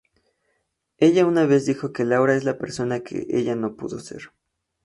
Ella una vez dijo que Laura es la persona que ella no pudo ser.